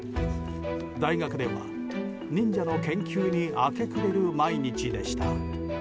大学では忍者の研究に明け暮れる毎日でした。